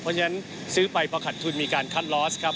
เพราะฉะนั้นซื้อไปพอขัดทุนมีการคัดลอสครับ